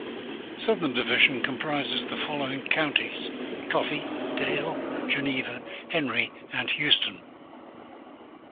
Southern Division comprises the following counties: Coffee, Dale, Geneva, Henry, and Houston.